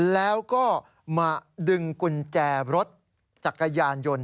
แล้วก็มาดึงกุญแจรถจักรยานยนต์